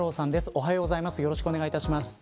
おはようございます。